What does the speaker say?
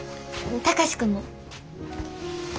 貴司君も。